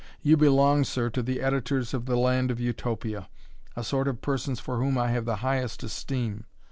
You belong, sir, to the Editors of the land of Utopia, a sort of persons for whom I have the highest esteem.